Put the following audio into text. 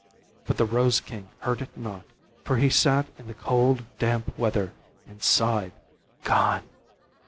But the rose king heard it not, for he sat in the cold, damp weather, and sighed, "Gone!